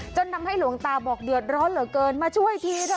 จนทำให้หลวงตาบอกเดือดร้อนเหลือเกินมาช่วยทีเถอ